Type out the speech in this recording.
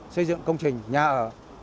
xây dựng công trình nhà ở